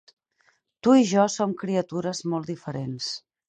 Tu i jo som criatures molt diferents.